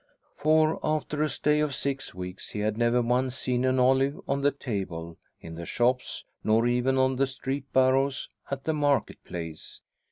For, after a stay of six weeks, he had never once seen an olive on the table, in the shops, nor even on the street barrows at the market place.